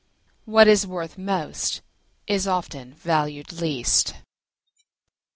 What is worth most is often valued least.